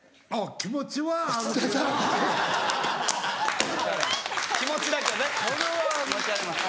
気持ちはあります。